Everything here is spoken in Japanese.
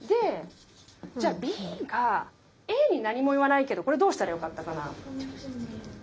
じゃあＢがＡに何も言わないけどこれどうしたらよかったかな。